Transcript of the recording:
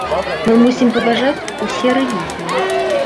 Мы мусім паважаць усе рэлігіі.